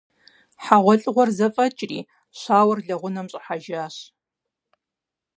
ХьэгъуэлӀыгъуэр зэфӀэкӀри, щауэр лэгъунэм щӀыхьэжащ.